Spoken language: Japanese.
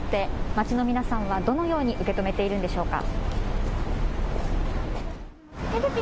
街の皆さんはどのように受け止めているのでしょうか。